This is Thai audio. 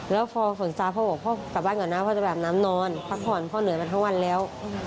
แล้วพอฝนซาพ่อบอกพ่อกลับบ้านก่อนนะพ่อจะอาบน้ำนอนพักผ่อนพ่อเหนื่อยมาทั้งวันแล้ว